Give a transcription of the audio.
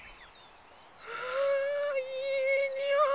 あいいにおい！